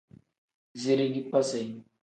Zirigi kpasi.